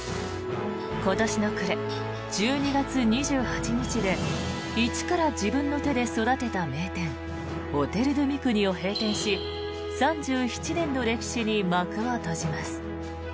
今年の暮れ、１２月２８日で一から自分の手で育てた名店オテル・ドゥ・ミクニを閉店し３７年の歴史に幕を閉じます。